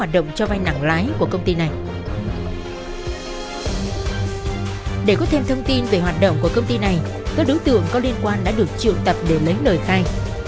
để có thêm thông tin về hoạt động của công ty này các đối tượng có liên quan đã được triệu tập để lấy lời khai